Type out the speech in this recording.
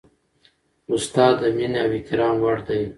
استاد د مینې او احترام وړ دی.